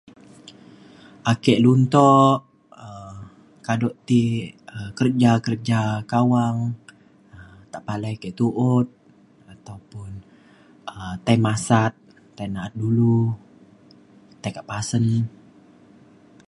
ake luntok um kaduk ti um kerja-kerja kawang um ta palai ke tu'ut ataupun um tai masat, tai na'at dulu tai ka pasen.